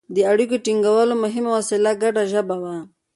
د اړیکو ټینګولو مهمه وسیله ګډه ژبه وه